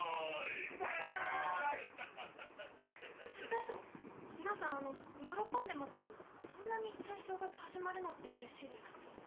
ちょっと皆さん喜んでますけどそんなに戦争が始まるのってうれしいですか？